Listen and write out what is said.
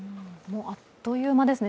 あっという間ですね。